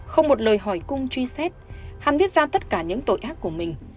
không một lời hỏi cung truy xét hắn viết ra tất cả những tội ác của mình